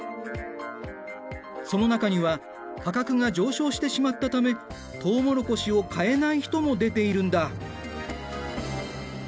その中には価格が上昇してしまったためとうもろこしを買えない人も出ているんだ。